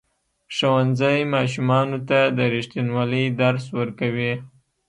ښوونځی ماشومانو ته د ریښتینولۍ درس ورکوي.